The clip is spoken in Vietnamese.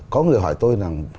có người hỏi tôi rằng